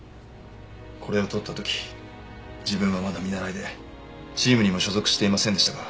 これを撮った時自分はまだ見習いでチームにも所属していませんでしたが。